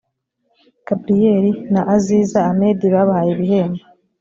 gabriel na aziza amedi babahaye ibihembo